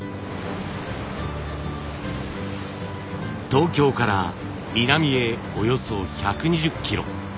東京から南へおよそ１２０キロ。